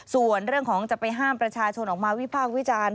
ส่วนเรื่องของจะไปห้ามประชาชนออกมาวิพากษ์วิจารณ์